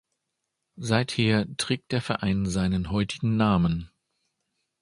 Seither trägt der Verein seinen heutigen Namen.